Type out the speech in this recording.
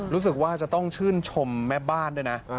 รู้สึกว่าจะต้องชื่นชมแม่บ้านด้วยนะ